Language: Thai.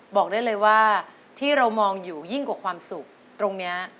บอกได้เลยว่าที่เรามองอยู่ยิ่งกว่าความสุขตรงนี้